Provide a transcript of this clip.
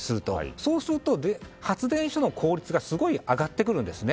そうすると、発電所の効率がすごい上がってくるんですね。